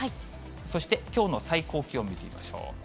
そしてきょうの最高気温見てみましょう。